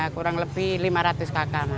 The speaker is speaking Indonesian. kurang lebih lima ratus kakak